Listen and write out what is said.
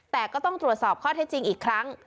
แต่ก็ต้องตรวจสอบข้อเท็จจริงอีกครั้ง